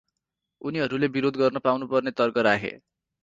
उनीहरूले विरोध गर्न पाउनुपर्ने तर्क राखे ।